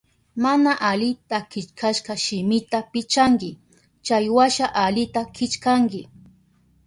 Mana alita killkashka shimita pichanki, chaywasha alita killkanki.